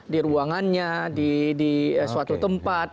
di ruangannya di suatu tempat